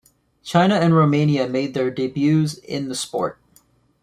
China and Romania made their debuts in the sport.